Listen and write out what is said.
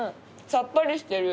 さっぱりしてる。